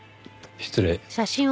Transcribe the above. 失礼。